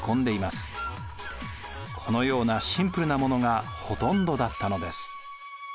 このようなシンプルなものがほとんどだったのです。